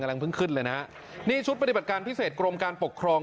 ยังเพิ่งขึ้นเลยนะฮะนี่ชุดปฏิบัติการพิเศษกรมการปกครอง